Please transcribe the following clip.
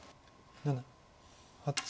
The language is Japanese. ７８。